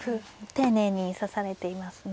丁寧に指されていますね。